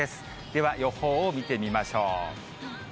では予報を見てみましょう。